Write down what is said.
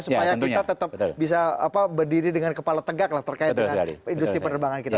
supaya kita tetap bisa berdiri dengan kepala tegak lah terkait dengan industri penerbangan kita